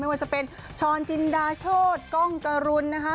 ไม่ว่าจะเป็นชอนจินดาโชธก้องกระรุนนะครับ